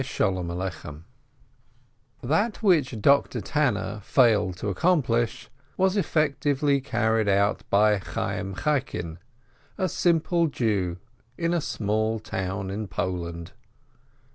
AN EASY FAST That which Doctor Tanner failed to accomplish, was effectually carried out by Chayyim Chaikin, a simple Jew in a small town in Poland.